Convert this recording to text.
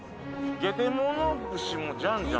「ゲテモノ串もじゃんじゃん！